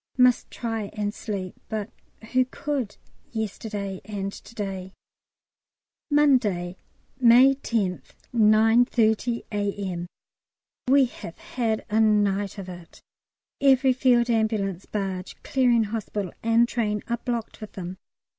Must try and sleep. But who could yesterday and to day? Monday, May 10th, 9.30 A.M. We have had a night of it. Every Field Ambulance, barge, Clearing Hospital, and train are blocked with them.